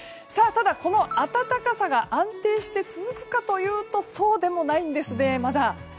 ただ、この暖かさが安定して続くかというとまだそうでもないんですね。